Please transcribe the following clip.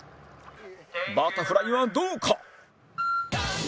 バタフライはどうか？